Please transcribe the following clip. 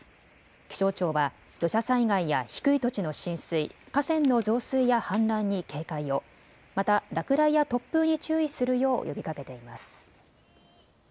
気象庁は土砂災害や低い土地の浸水、河川の増水や氾濫に警戒を、また落雷や突風に注意するよう呼びかけています。